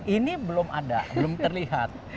ini belum ada belum terlihat